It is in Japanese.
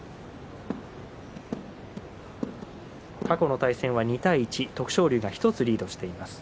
過去の対戦は２対１徳勝龍が１つリードしています。